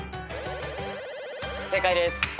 正解です。